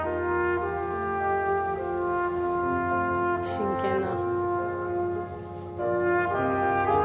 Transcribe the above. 真剣な。